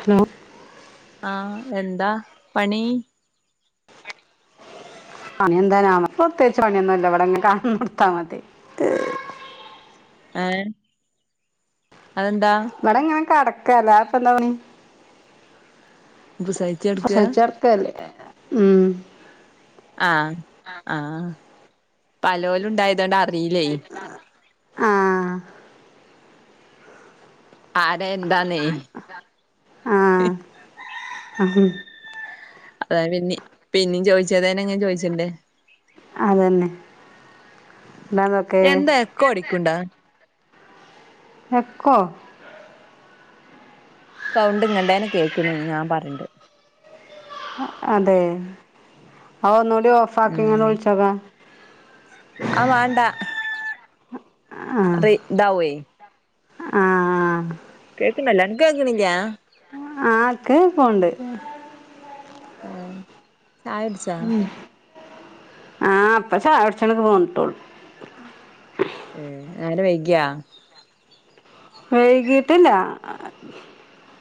Hello ആഹ് എന്താ പണി പണിയെന്താ നമക്ക് പ്രത്യേകിച്ച് പണിയൊന്നുല്ല ഇവടെങ്ങനെ കട്ന്നൊട്ത്താ മതി. ഏഹ് അതെന്താ? ഇവടങ്ങനെ കടക്കാ അല്ലാതിപ്പെന്താ പണി ബുസായി പ്രസവിച്ചട്ക്കല്ലേ ഉം. ആഹ് ആഹ് പലോലുണ്ടായതോണ്ട് അറീല്ലേ. ആഹ് ആരാ എന്താന്നെ അഹ് ഉം അത പിന്നെ പിന്നീ ചോയിച്ചതേന്നേ ഞാ ചോയ്ച്ചണ്ടെ അതെന്നെ എന്താ എക്കോ അടിക്കുംണ്ടാ? എക്കോ സൗണ്ട് ഇങ്ങണ്ടേനെ കേൾക്ക്ണ് ഞാ പറണ്ടെ അതെ അവ് ഒന്നൂടി ഓഫാക്കിങ്ങാണ്ട് വിളിച്ചോക്കാ ആഹ് വാണ്ടാ ആ റി ദാവേയ്. ആ കേക്ക്ണല്ലോ അൻക്കേക്കിണില്യേ? ആക്ക് ഫോൺ ണ്ട് ആഹ് ചായടിച്ച് ഉം ആഹ് ഇപ്പ ചായ കുടിച്ചാണ്ട് പോന്ന്ട്ടൊള്ളൂ. ഉം നേരം വൈകിയ വൈകിട്ടില്ല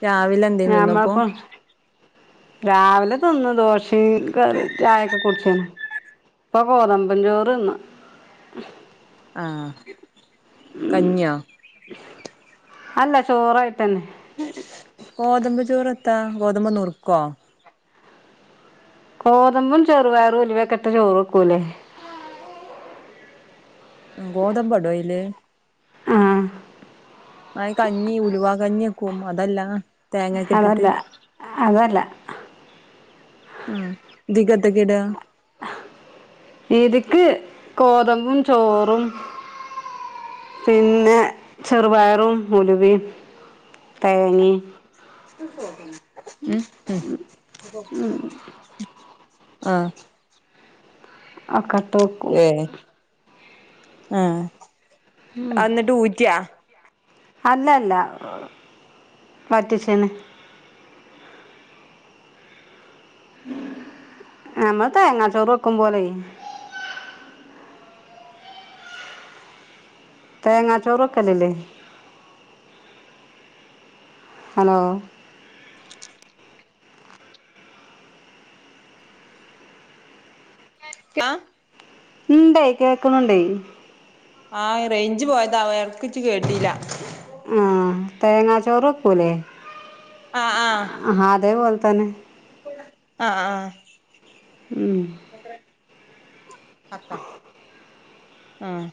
രാവിലെ എന്തേനി തിന്നപ്പോ ഞമ്മക്ക രാവിലെ തിന്ന് ദോശേം കറി ചായൊക്കെ കുട്ച്ചീണ്. ഇപ്പം ഗോതംമ്പചോർതിന്ന്. ആഹ് കഞ്ഞിയോ? [inaudible] അല്ല ചോറായിട്ട്ന്നെ ഗോതമ്പ് ചോറ് എത്താ? ഗോതമ്പ് നുറുക്കോ. ഗോതമ്പും ചെറുപയറും ഉൽവക്കിട്ട് ചോറ് വെക്കൂലേ? ഗോതമ്പ് ഇടോ അയില്? ആഹ് ആഹ് കഞ്ഞി ഉലുവാ കഞ്ഞി വെക്കും അതല്ലാ അതല്ലാ അതല്ലാ. ആഹ് ഇദി കെതെക്കെ ഇടാ? ഇതിക്ക് ഗോതമ്പും ചോറും പിന്നെ ചെറുപയറും ഉലുവിം തേങ്ങേമ് [inaudible] ഉം ഉം ആഹ് [unintelligible] ഏ ആഹ് അഹ് അന്നിട്ട് ഊറ്റിയാ? അല്ലല്ലാ വറ്റിച്ചേണ്. നമ്മൾതേങ്ങാ ചോറ് വെക്കും പോലെ തേങ്ങാച്ചോർ വെക്കലില്ലേ? ഹലോ ആഹ് ഇണ്ടെ കേക്കണുണ്ടെ. ആഹ് റേഞ്ച് പോയതാവും എടക്ക് വെച്ച് കേട്ടീല്ലാ ആഹ് തേങ്ങാ ചോറ് വെക്കൂലേ ആ അതേപോലെ തന്നെ. ആഹ് ആഹ് ഉം. [unintelligible] ആഹ്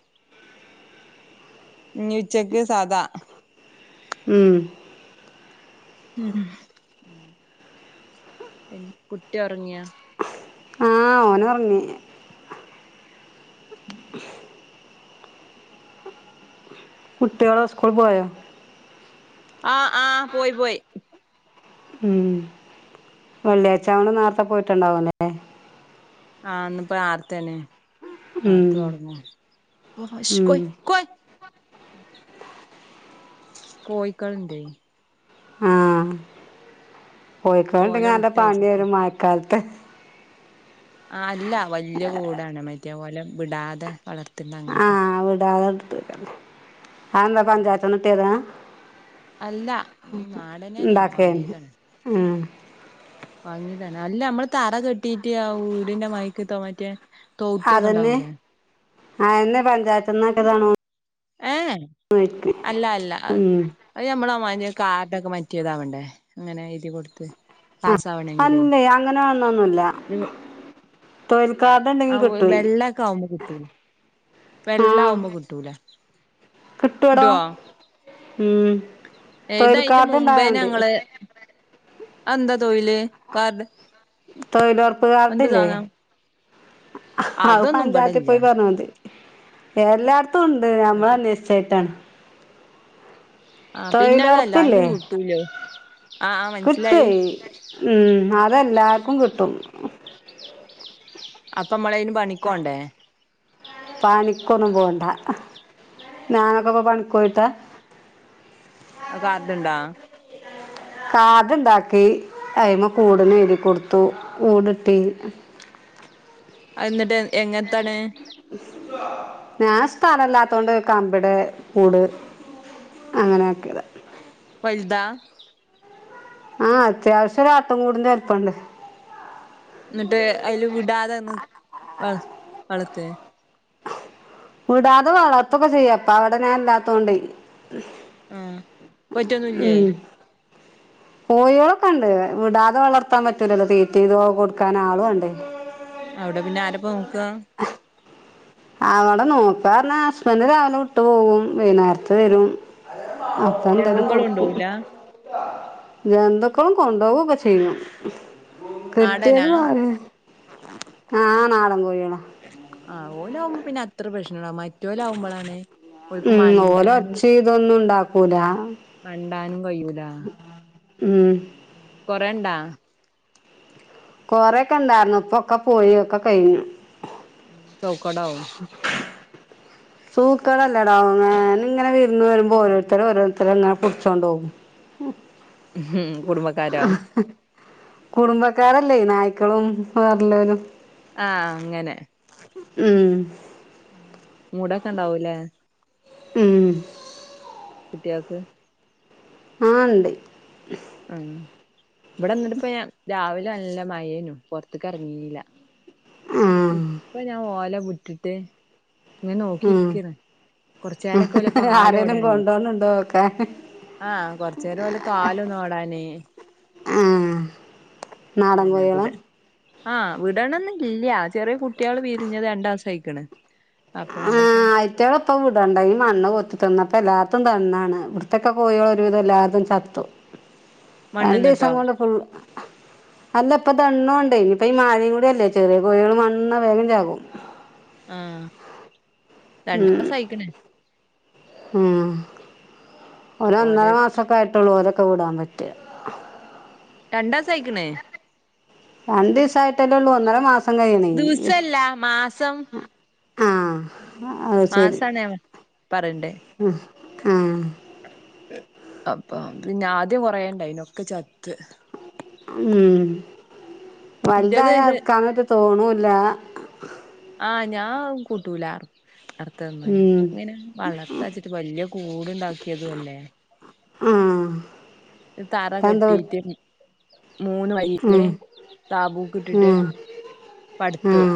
ഇഞ് ഉച്ചക്ക് സാദാ ഉം ഉം കുട്ടി ഉറങ്ങിയാ ആഹ് ഓന് ഒറങ്ങി കുട്ടിഓൾ സ്കൂളിൽ പോയാ ആഹ് ആഹ് പോയി പോയി ഉം വെള്ളിയാഴ്ച ആയോണ്ട് നേരത്തെ പോയിട്ടുണ്ടാവല്ലേ ആഹ് ഇന്ന്പ്പോ നെർത്തേന് ഉം തുടങ്ങിയ ഓ ഷ് ഉം കോയി കോയി കോയിക്കൾ ണ്ടെ കോയിക്കൾണ്ടെങ്കിൽ ഓലെ നല്ല പണി വിട്ടയച്ചിട്ട് വരും മഴക്കാലത്ത് ആഹ് അല്ല വല്ല്യകൂടാണ് മറ്റേ ഒലെ വിടാതെ വളർത്തണ്ട ആ അങ്ങനത്തെ വിടാതെ നിർത്ത അതെന്താ ഉം പഞ്ചായത്ത്ന്ന് കിട്ടിയതാ അല്ല നാടനെന്നെണ് വാങ്ങിയതാണ് ആഹ് വാങ്ങിതാണ് അല്ല നമ്മള് തറ കെട്ടീട്ട് ആഹ് വീടിന്റെ മരിക്കത്തെ മാറ്റെ തോട്ടൊക്കെ ഉണ്ടാവുലേ ആഹ് എന്നെ പഞ്ചായത്ത് നിന്നൊക്കെ ഒരുതവണ ഏഹ് അല്ല അല്ല അത് ഉം നമ്മളമതി കാർഡൊക്കെ മാറ്റിയതാവേണ്ടേ അങ്ങനെ എഴുതി കൊടുത്ത് ആഹ് പാസ്സാവണെങ്കിലേ അല്ലേ അങ്ങനെ വന്നൊന്നുമല്ല ഇത് തൊഴൽ കാർഡ് ഉണ്ടെങ്കിൽ കിട്ടുവയി ക് അതൊന്നും കിട്ടൂല വെള്ള ആകുമ്പോ കിട്ടൂല കിട്ടുവടാ കിട്ടുവോ ഉം തൊഴിൽക്കാർഡുണ്ടായ മതി അതെന്തതൊഴില്ക കാർ തൊഴിലുറപ്പുകാർഡില്ലേ അത് അതൊന്നും ഇബടല്ല പഞ്ചായത്തിപോയി പറഞ്ഞമതി എല്ലായിടത്തും ഉണ്ട് ഞമ്മൾ അത് അന്വേഷിച്ചായിട്ടാണ് ആഹ് പിന്നെ അതല്ല തൊഴിലുറപ്പില്ലേ ആർക്കും കിട്ടൂലോ ആഹ് ആഹ് കിട്ടുവേ മനസ്സിലായി ഉം അതെല്ലാർക്കും കിട്ടും അപ്പൊ നമ്മളന് പണിക്കോണ്ടേ പണിക്കൊന്നും പോണ്ട ഞാനൊക്കെ ഇപ്പോ പണിക്ക് പോയിട്ടാ [unintelligible] കാർഡുണ്ടാ കാർഡുണ്ടാക്കി അതി്മ കൂടന് എഴുതി കൊടുത്തു കൂടിട്ടി എന്നിട്ട് എങ്ങനത്താണ് ഞാൻ സ്ഥലല്ലാത്തോണ്ട് കമ്പിടെ കൂട് അങ്ങനെയാക്കിയതാ വലുതാ ആഹ് അത്യാവശ്യം ഒരാട്ടിൻ കൂട്ടിന്നടുത്തുണ്ട് എന്നിട്ട് അതില് വിടാതെന്ന് വ വളർത്തേ വിടാതെ വളർത്തൊക്കെ ചെയ്യ അപ്പ അവിടെ ഞാൻ ഇല്ലാത്തോണ്ട് ആ പറ്റൊന്നുല്ലേ ഉം [inaudible] കോഴികളൊക്കെ ഉണ്ട് വിടാതെ വളർത്താൻ പറ്റൂലല്ലോ തീറ്റീ ഇതോക്കെ കൊടുക്കാൻ ആളുവേണ്ടേ അവിടെ പിന്നെ ആരപ്പ നോക്കുക അവിടെ നോക്ക പറഞ്ഞാ ഹസ്ബൻഡ് രാവിലെ വിട്ട് പോകും വൈകുന്നേരത്ത് വരും അപ്പൊ എന്തായാലും ജന്തുക്കളും കൊടുക്കും ഉണ്ടാവൂല എന്തൊക്കളും കൊണ്ടുപോകൊക്കെ ചെയ്യും നാടനാ കിട്ടിയത് പറഞ്ഞു ആഹ് നാടൻ കോഴികള ആഹ് ഓല് ആകുമ്പോ പിന്നെ അത്ര പ്രശ്നുണ്ടാവില്ല മറ്റൊല് ആകുമ്പോളാണ് ഉം ഓല് ഒച്ച ഇതൊന്നും ഇണ്ടാക്കൂല മണ്ടാനും കഴിയൂല ഉം കൊറയിണ്ടാ കൊറെക്കെ ഇണ്ടായിരുന്നു ഇപ്പൊക്കെ പോയിയൊക്കെ കഴിഞ്ഞു സോക്കടവും സൂക്കടല്ലടാ ഇത് ഇങ്ങെ വിരുന്ന് വരുമ്പോൾ ഓരോരുത്തര് ഓരോരുത്തരും ഇങ്ങനെ പുടിച്ചൊണ്ടൊ കും കുടുംബക്കാരോ [inaudible] കുടുംബക്കാരല്ലേ നായ്ക്കളും വേറെല്ലൊരും ആഹ്അങ്ങനെ ഉം മൂടൊക്കെ ഇണ്ടാവൂല്ലേ ഉം കുട്വാൾക്ക് ആഹ് ഇണ്ടയ് ഉം ഇവിടെന്നിട്ടപ്പ രാവിലെ നല്ല മഴേ ന്നു പൊറത്തക്ക് എറങ്ങില്ല ആ ഇപ്പ ഞാൻ ഓല വിട്ടിട്ട് ഇങ്ങനെ ഉം നോക്കിരിക്കാണ് ആരേലും കൊണ്ടോന്നിണ്ടോ ഓക്കാൻ ആഹ് കൊറചേരം ഓലെ കാല് നോടാനേ ആഹ് അനെ വിട ആഹ് വിടണന്നില്ല ചെറിയ കുട്ടികള് വിരിഞ്ഞത് രണ്ടാസം ആയിക്ക്ണ് അപ്പൊ ഓലൊക്കെ കുട്വാളെ ഇപ്പം വിടണ്ട ഈ മണ്ണ് കൊത്തിത്തിന്നു അപ്പോം എല്ലാത്തു ദണ്ണാണ് ഇവിടുത്തേക്ക കോഴികള് ഒരു വിധം എല്ലാരതും ചത്തു രണ്ടീസം മണ്ണ്ന്നിട്ടോ കൊണ്ട് ഫുൾ അല്ല ഇപ്പ ദണ്ണു ഉണ്ടെ ഇനിയിപ്പ ഈ മഴയും കൂടിയല്ലേ ചെറിയ കോഴികൾ മണ്ണ്ന്ന വേഗംചാകും ആഹ് ഉം രണ്ടാസം ആയിക്കണ് ഉം അപ്പൊ ഒരൊന്നര ഓലെ മാസം സൊക്കെ ആയിട്ടൊള്ളൂ ഓരൊക്കെ വിടാ പറ്റ രണ്ടാസായിക്ക്ണ് രണ്ടീസായിട്ടല്ലേള്ളൂ ഒന്നര മാസം കഴിയ ണേ ദിവസല്ല മാസം ആഹ് അയ് ശരി മാസാണ് ഞാൻ പറയണ്ടേ ആഹ് അപ്പ പിന്നെ ആദ്യം കൊറേയിണ്ടായിനു ഒക്കെ ചത്ത് ഉം ഇന്റത് വൽതായ ഇത് അർക്കാനറ്റെ തോന്നുല്ല ആഹ് ഞാൻ കൂട്ടൂലാ അർത്ത നന്നായി ഉം ഇങ്ങനെ വളർത്തച്ചിട്ട് വല്യ കൂട്ണ്ടാക്കിയതും അല്ലേ ആഹ് തറ ഇപ്പെന്താ കെട്ടിട്ട് മൂന്ന് വയീല് ഉം താപൂക്കിട്ടിട്ട് ഉം പടുത്തു ഉം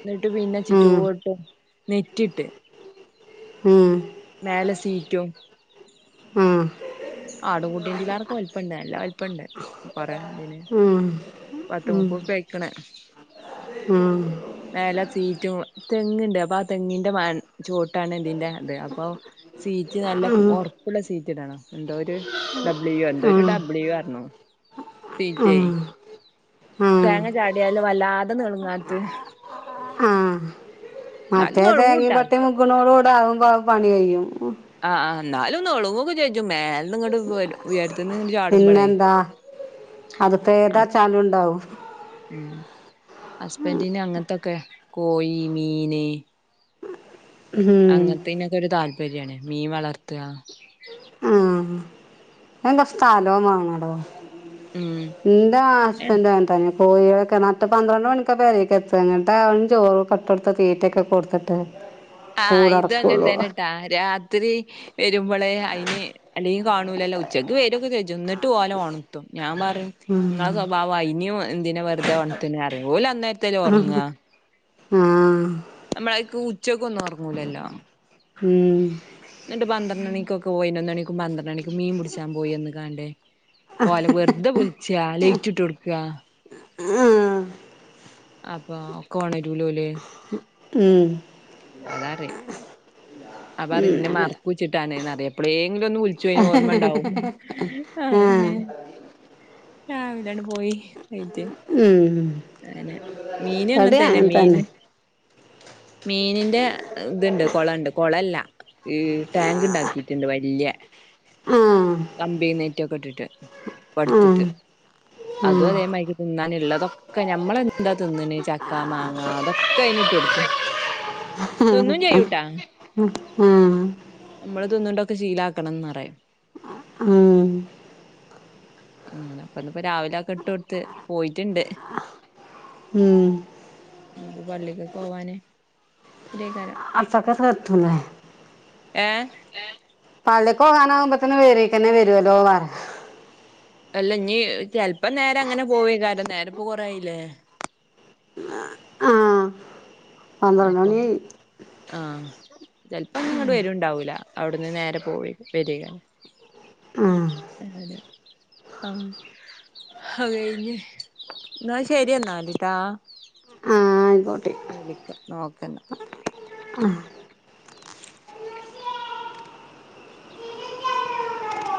എന്നിട്ട് പിന്നെ ഉം ചിറ്റോടും നെറ്റിട്ട് മ് ഹ് മേലെ സീറ്റും ഉം ആടും കുട്ടിൻ്റേലേറെ വലുപ്പണ്ട് നല്ലാ വലുപ്പംണ്ട് കൊറെ ന്തിന് ഉം പത്ത് ഉം മൂപ്പുറിപ്യ ആയിക്ക്ണ് ഉം മേല സീറ്റും തെങ്ങിണ്ട് അപ്പൊ ആ തെങ്ങിന്റെ മ ചോട്ടാണ് ഇതിന്റെ അത് അപ്പോ സീറ്റ് നല്ല ഉം ഒറപ്പുള്ള സീറ്റ് ഇടണം എന്തോരു ഡബ്ളിയു എന്തോരു ഉം ഡബ്ൾയു റഞ്ഞു സീറ്റേ ഉം തേങ്ങ ചാടിയാലും വല്ലാതെ നെളുങ്ങാത്ത ആഹ് ന്നാലും ഞളുങ്ങുട്ടൊ [unintelligible] അവുമ്പ പണി കയ്യും ആ ആ ന്നാലു ഒന്നെളകുഒക്കേ ചെയ്യു മേൽന്നിങ്ങട്ട് വരും ഉയരത്ത്ന്ന് ചാടുമ്പളെ അതിപ്പോ ഏതാ ചാലുണ്ടാവും അസ്ബൻറിന് അങ്ങൻത്തൊക്കെ കോയി മീന് ഉം അങ്ങൻത്തീനൊക്കെ ഒരു താല്പര്യാണ് മീൻ വളർത്താ ആഹ് [unintelligible] സ്ഥലോം വേണെ ടോ ഉം ഇന്റ അസ്ബൻഡു ആൻതന്നെ പോയോക്ക നട്ട പന്ത്രണ്ട് മണിക്ക പെരേ ക്കത്ത ന്നിട്ട ചോറക്കെട്ടട്ത്ത് തീറ്റൊക്കെ കൊടുത്തിട്ട് ആഹ് ഇതു അങ്ങൻ കൂടടക്കുള്ളൂ തന്നെട്ടാ രാത്രി വരുമ്പള് അയിന് അല്ലെങ്കി കാണൂലല്ലോ ഉച്ചക്ക് വെരു ഒ ക്കെ ചെഞ്ചും ന്നിട്ടും ഓലെ ഒണത്തും ഞാൻ പറയും ഇങ്ങളെ സ്വഭാവം അയിനേം എന്തിന വെറുതെ ഒണത്തിന് അറിം ഓല് അന്നേരത്തെല്ലെ ഒറങ്ങാ ആഹ് നമ്മളാക്ക് ഉച്ചക്കൊന്നും ഒറങ്ങൂലല്ലോ ഉം എന്നിട്ട് പന്ത്രണ്ട്ണിക്കൊക്കെ പോയി പയിനൊന്നണിക്കും പന്ത്രണ്ട് മണിക്ക് മീൻ പിടിച്ചാൻ പോയി വന്ന് കാണ്ടേ ഓലെ വെർതെ വിളിച്ചാ ലെയിറ്റ്‌ട്ടൊട്ക്കാ ഉം അപ്പോ ഒണരൂലോല് ഉം അതറിം അപ്പറിം ഉം ഇന്നെ അങ്ങനെ മറക്കോച്ചിട്ടാണ് ന്നറിയും എപ്പളേങ്കിലും ഒന്ന് വിളിച്ചുഴിഞ്ഞാ ഓർമ്മ ഉണ്ടാകും ആഹ് ങ്ങനെ രാവിലാണ് പോയി വെയിറ്റ് ഉം അയെന്നെ മീനെ ഇവടിം അങ്ങൻത്തെന്നെ അങ്ങനെ തന്നെ മീന് മീനിന്റെ ഇത്ണ്ട് കൊളണ്ട് കൊളല്ല ഈ ടാങ്ക് ഉണ്ടാക്കിയിട്ടുണ്ട് വല്ല്യ ആഹ് കമ്പി നെറ്റൊക്കെ ഇട്ടിട്ട് പടുത്തിട്ട് ആഹ് അത് ആഹ് അതേ മാതിരി തിന്നാനുള്ളതൊക്കെ ഞമ്മളെന്താ തിന്നണ് ചക്ക മാങ്ങ അതൊക്കെ അയിനിട്ട് കൊട്ക്കും [inaudible] [unintelligible] നമ്മള് തിന്ന്ണ്ടൊക്കെ ശീലാക്കണംന്ന് റയാ ആഹ് [inaudible] അങ്ങനെ അപ്പന്ന്പ്പോ രാവിലെ ഒക്കെ ഇട്ടു കൊടുത്ത് പോയിട്ടുണ്ട് ഉം നിപ്പൊ പള്ളിക്കക്ക് പോവാൻ വരോകാരം അത്തകസതുലേ ഏഹ് പള്ളിക്ക് പോകാനാകുമ്പോത്തന് പേരേക്കന്നെ വരുല്ലോ അറിയ അല്ല ഞ്ഞി ചെൽപ്പൊ നേരെ അങ്ങനെ പോവേകാരം നേരപ്പൊ കൊറായില്ലേ ആഹ് പന്ത്രണ്ട് മണി അപ്പം ആയി ആഹ് ചെൽപ്പോ ഞ്ഞി ഇങ്ങട്ട് വര്ണ്ടാവൂല അവിടുന്ന് നേരെ പോവ വരി ആഹ് അങ്ങനെ ആഹ് ഹത് കഴിഞ്ഞ് എന്നാ ശരിയെന്നാ ലിട്ടോ ആഹ് ആയിക്കോട്ടെ ഞാൻ വിളിക്ക നോക്കന്ന